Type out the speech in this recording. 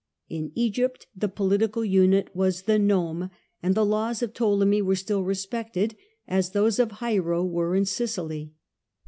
In Egypt the political unit was the Nome, and the laws of Ptolemy were still respected, as those of Hiero were in Sicily.